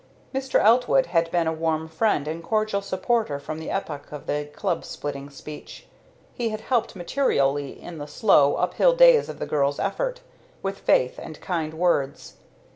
Mr. Eltwood had been a warm friend and cordial supporter from the epoch of the Club splitting speech. He had helped materially in the slow, up hill days of the girl's effort, with faith and kind words.